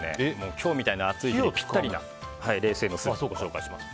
今日みたいな暑い日にピッタリな冷製のスープをご紹介します。